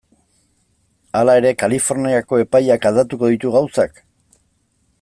Hala ere, Kaliforniako epaiak aldatuko ditu gauzak?